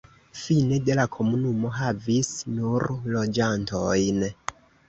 Fine de la komunumo havis nur loĝantojn.